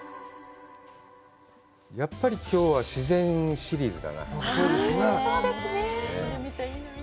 やっぱりきょうは自然シリーズだな。